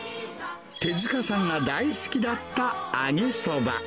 手塚さんが大好きだった揚げそば。